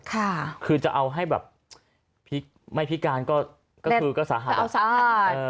ค่ะคือจะเอาให้แบบพลิกไม่พิการก็คือก็สาหัสก็สาหัสเออ